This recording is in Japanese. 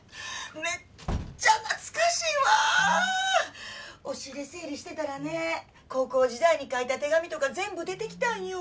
めっちゃ懐かしいわ押し入れ整理してたらね高校時代に書いた手紙とか全部出てきたんよ